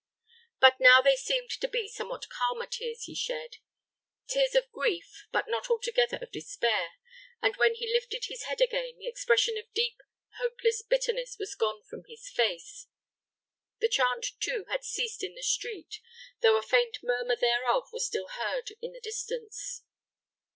But now they seemed to be somewhat calmer tears he shed tears of grief, but not altogether of despair; and when he lifted his head again, the expression of deep, hopeless bitterness was gone from his face. The chant, too, had ceased in the street, though a faint murmur thereof was still heard in the distance.